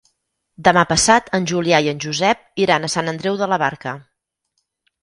Demà passat en Julià i en Josep iran a Sant Andreu de la Barca.